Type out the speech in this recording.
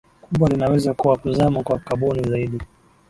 kubwa linaweza kuwa kuzama kwa kaboni zaidi